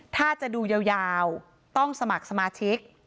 ถ้าจะดูยาวต้องสมัครสมาชิก